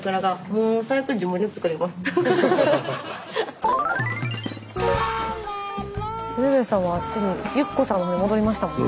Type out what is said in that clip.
もうスタジオ鶴瓶さんはあっちにユッコさんに戻りましたもんね。